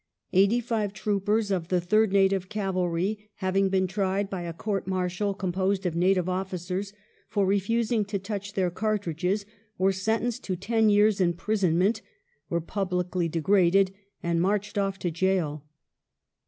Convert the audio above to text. Eighty five troopers of the 3rd Native Cavalry having been tried by a court martial composed of native officers for refus ing to touch their cartridges were sentenced to ten years' imprison ment, were publicly degraded and marched off" to gaol.